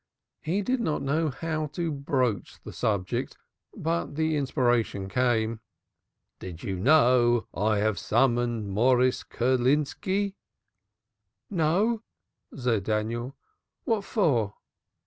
He did not know how to broach the subject. But the inspiration came. "Do you know I have summonsed Morris Kerlinski?" "No," said Daniel. "What for?"